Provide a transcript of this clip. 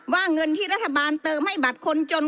เงินที่รัฐบาลเติมให้บัตรคนจน